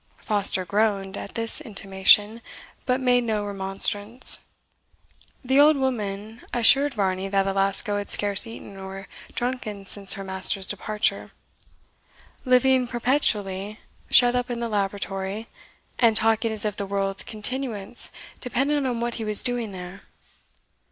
Foster groaned at this intimation, but made no remonstrance. The old woman assured Varney that Alasco had scarce eaten or drunken since her master's departure, living perpetually shut up in the laboratory, and talking as if the world's continuance depended on what he was doing there.